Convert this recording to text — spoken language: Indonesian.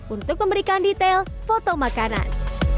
untuk memberikan detail foto makanan